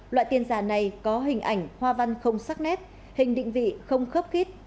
loại tiền giả này có hình ảnh hoa văn không sắc nét hình định vị không khớp kít